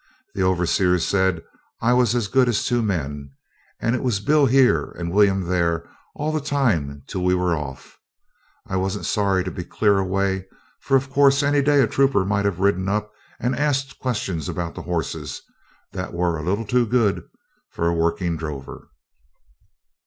The overseer said I was as good as two men, and it was 'Bill' here and 'William' there all the time till we were off. I wasn't sorry to be clear away, for of course any day a trooper might have ridden up and asked questions about the horses, that were a little too good for a working drover.